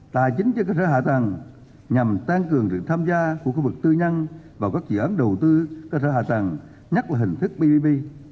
tài chính cho cơ sở hạ tầng nhằm tăng cường sự tham gia của khu vực tư nhân vào các dự án đầu tư cơ sở hạ tầng nhất là hình thức ppp